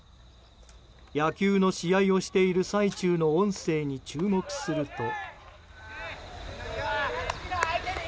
野球の試合をしている最中の音声に注目すると。